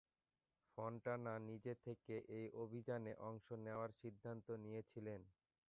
ফনটানা নিজে থেকে এই অভিযানে অংশ নেওয়ার সিদ্ধান্ত নিয়েছিলেন।